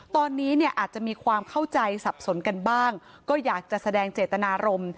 ตอนนี้เนี่ยอาจจะมีความเข้าใจสับสนกันบ้างก็อยากจะแสดงเจตนารมณ์